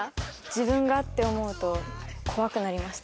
自分がって思うと怖くなりました。